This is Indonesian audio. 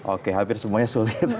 oke hampir semuanya sulit